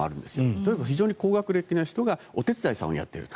例えば、非常に高学歴な人がお手伝いさんをやっていると。